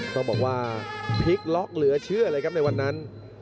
ต้องบอกว่าพลิกล็อกเหลือเชื่อเลยครับในวันนั้น